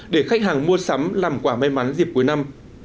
để khách hàng mua sắm làm quả may mắn dịp cuối năm